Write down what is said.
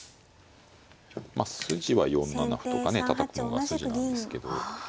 まあ筋は４七歩とかねたたくのが筋なんですけど。